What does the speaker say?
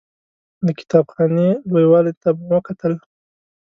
د کتاب خانې لوی والي ته مو وکتل.